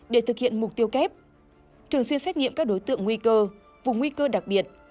để thực hiện mục tiêu kép thường xuyên xét nghiệm các đối tượng nguy cơ vùng nguy cơ đặc biệt